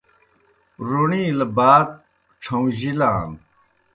روݨِیلہ بات ڇھہُوݩجِلان۔